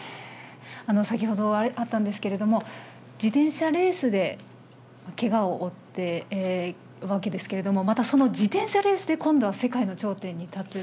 先ほどあったんですけれども、自転車レースでけがを負っているわけですけれども、またその自転車レースで、今度は世界の頂点に立つ。